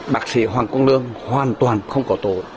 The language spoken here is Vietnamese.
bác sĩ hoàng công lương hoàn toàn không có tổ